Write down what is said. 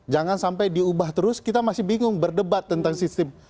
jangan sampai diubah terus kita masih bingung berdebat tentang sistem